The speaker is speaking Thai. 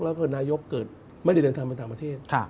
แล้วก็นายกเกิดไม่ได้เดินทางไปต่างประเทศ